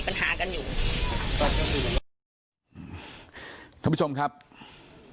เพราะไม่เคยถามลูกสาวนะว่าไปทำธุรกิจแบบไหนอะไรยังไง